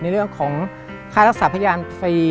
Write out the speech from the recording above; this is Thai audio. เรื่องของค่ารักษาพยานฟรี